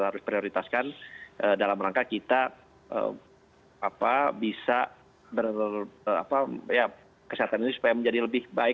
kita harus prioritaskan dalam langkah kita bisa kesehatan ini supaya menjadi lebih baik